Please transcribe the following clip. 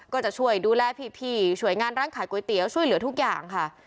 ก็จะช่วยดูแลพี่ช่วยงานร้านขายก๋วยเตี๋ยวช่วยเหลือทุกอย่างค่ะ